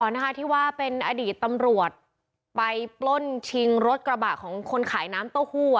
นะคะที่ว่าเป็นอดีตตำรวจไปปล้นชิงรถกระบะของคนขายน้ำเต้าหู้อ่ะ